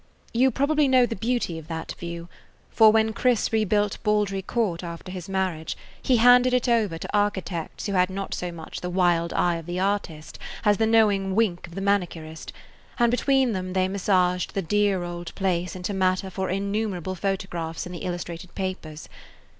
You probably know the beauty of that view; for when Chris rebuilt Baldry Court after his marriage he handed it over to architects who had not so much the wild eye of the artist as the knowing wink of the manicurist, and between them they massaged the dear old place into matter for innumerable photographs in the illustrated papers.